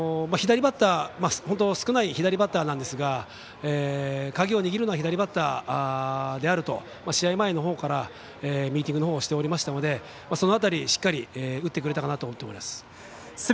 少ない左バッターなんですが鍵を握るのは左バッターであると試合前の方からミーティングの方をしておりましたのでその辺り、しっかり打ってくれたかなと思ってます。